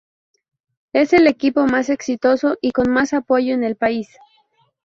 Es el equipo más exitoso y con más apoyo en el país.